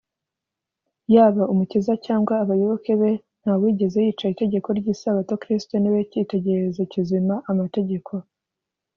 yaba umukiza cyangwa abayoboke be nta wigeze yica itegeko ry’isabato kristo ni we cyitegererezo kizima amategeko